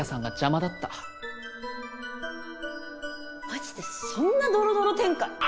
マジでそんなドロドロ展開？